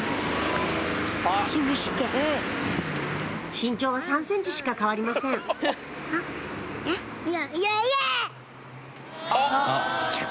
身長は３ｃｍしか変わりませんねっ。